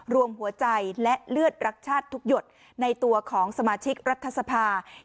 รวมหัวใจและเลือดรักชาติทุกหยดในตัวของสมาชิกรัฐสภา